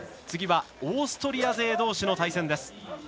次はオーストリア勢どうしの対戦です。